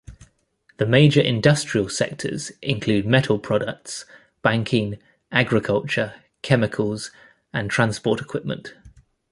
The major industrial sectors include metal products, banking, agriculture, chemicals, and transport equipment.